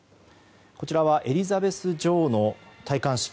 こちらはエリザベス女王の戴冠式。